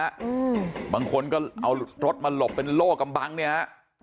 อืมบางคนก็เอารถมาหลบเป็นโล่กำบังเนี้ยฮะ